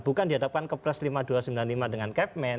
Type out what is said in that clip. bukan dihadapkan kepres lima ribu dua ratus sembilan puluh lima dengan kepmen